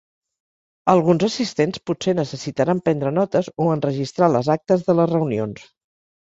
Alguns assistents potser necessitaran prendre notes o enregistrar les actes de les reunions.